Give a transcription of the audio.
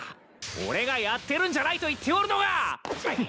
俺がやってるんじゃないと言っておるのが。